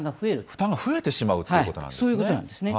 負担が増えてしまうということなんですね。